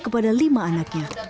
kepada lima anaknya